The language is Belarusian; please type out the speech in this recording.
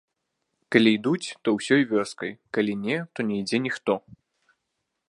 Калі ідуць, то ўсёй вёскай, калі не, то не ідзе ніхто.